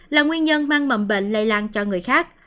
là nguyên nhân mang mầm bệnh lây lan cho người khác